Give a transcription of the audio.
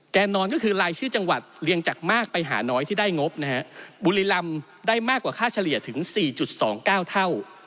แน่นอนก็คือรายชื่อจังหวัดเรียงจากมากไปหาน้อยที่ได้งบนะฮะบุรีรำได้มากกว่าค่าเฉลี่ยถึง๔๒๙เท่า